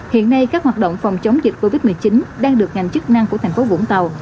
hiện nay các hoạt động phòng chống dịch covid một mươi chín đang được ngành chức năng của thành phố vũng tàu